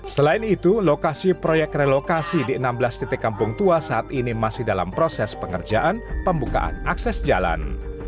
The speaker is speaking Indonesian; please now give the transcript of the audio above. selain itu lokasi proyek relokasi di enam belas titik kampung tua saat ini masih dalam proses pengerjaan pembukaan akses jalan